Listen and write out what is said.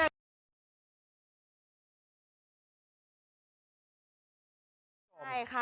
จะไปลงชื่น